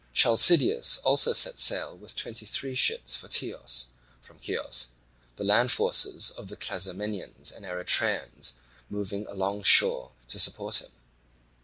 Chalcideus also set sail with twenty three ships for Teos from Chios, the land forces of the Clazomenians and Erythraeans moving alongshore to support him.